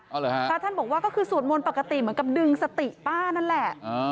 เอาเหรอฮะพระท่านบอกว่าก็คือสวดมนต์ปกติเหมือนกับดึงสติป้านั่นแหละ